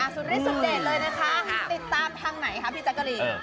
สุดเร็จเลยนะคะติดตามทางไหนคะพี่จักรี